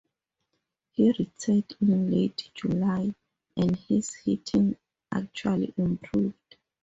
He returned in late July, and his hitting actually improved.